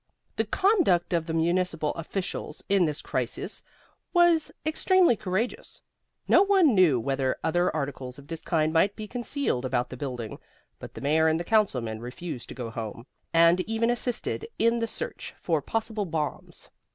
The conduct of the municipal officials in this crisis was extremely courageous. No one knew whether other articles of this kind might not be concealed about the building, but the Mayor and councilmen refused to go home, and even assisted in the search for possible bombs.